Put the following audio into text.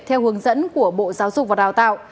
theo hướng dẫn của bộ giáo dục và đào tạo